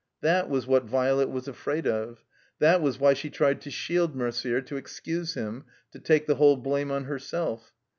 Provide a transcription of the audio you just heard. That was what Violet was afraid of; that was why she tried to shield Merder, to fexcuse him, to take the whole blame on herself.